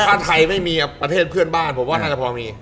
ถ้าไทยไม่มีประเทศเพื่อนบ้านผมว่าน่าจะพอมี